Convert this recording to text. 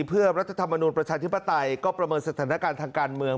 เพื่อรัฐธรรมนูลประชาธิปไตยก็ประเมินสถานการณ์ทางการเมือง